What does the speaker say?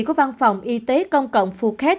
của văn phòng y tế công cộng phuket